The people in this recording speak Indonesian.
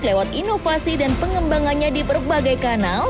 lewat inovasi dan pengembangannya diperbagai kanan